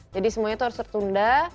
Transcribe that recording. jadi semuanya itu harus tertunda